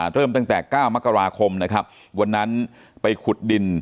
เริ่มตั้งแต่๙มกราคมนะครับวันนั้นไปขุดดิน